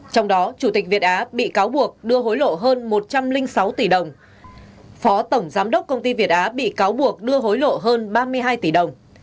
trong đó chủ tịch việt á bị cáo buộc đưa hối lộ hơn một trăm linh sáu tỷ đồng phó tổng giám đốc công ty việt á bị cáo buộc đưa hối lộ hơn ba mươi hai tỷ đồng